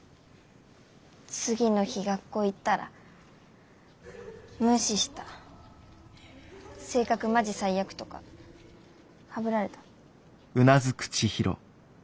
次の日学校行ったら「無視した」「性格マジ最悪」とかはぶられた？